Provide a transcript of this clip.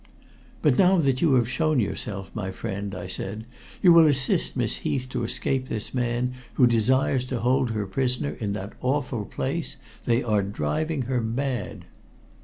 "But now that you have shown yourself my friend," I said, "you will assist Miss Heath to escape this man, who desires to hold her prisoner in that awful place. They are driving her mad."